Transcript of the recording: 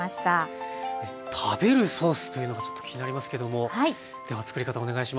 食べるソースというのがちょっと気になりますけどもではつくり方お願いします。